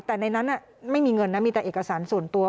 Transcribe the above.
แต่ในนั้นไม่มีเงินนะมีแต่เอกสารส่วนตัว